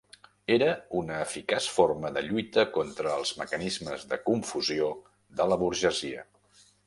Era una eficaç forma de lluita contra els mecanismes de confusió de la burgesia.